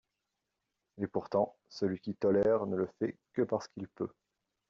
Et pourtant, celui qui 'tolère' ne le fait que parce qu'il peut